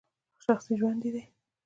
شخصي ژوند یې دی !